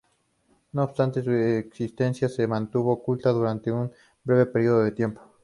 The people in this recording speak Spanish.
No obstante, su existencia se mantuvo oculta durante un breve período de tiempo.